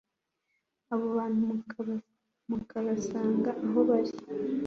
abo bantu mukabasanga aho bari